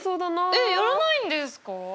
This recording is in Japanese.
えっやらないんですか？